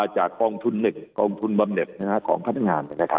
จากกองทุนบำเน็บของพนักงาน